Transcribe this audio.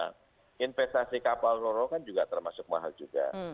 nah investasi kapal loro kan juga termasuk mahal juga